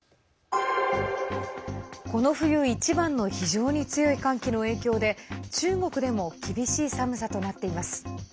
この冬一番の非常に強い寒気の影響で中国でも厳しい寒さとなっています。